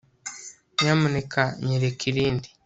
nyamuneka nyereka irindi